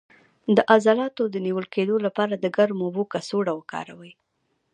د عضلاتو د نیول کیدو لپاره د ګرمو اوبو کڅوړه وکاروئ